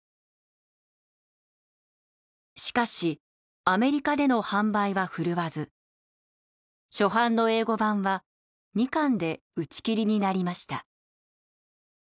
しかしアメリカでの販売は振るわず初版の英語版は２巻で打ち切りになりました。